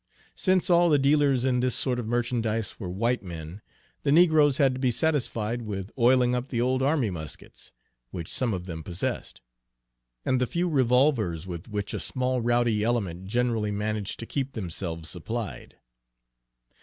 Since all the dealers in this sort of merchandise were white men, the negroes had to be satisfied with oiling up the old army muskets which some of them possessed, and the few revolvers with which a small rowdy element generally managed to keep themselves supplied.